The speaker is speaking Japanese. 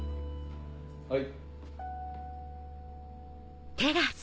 はい。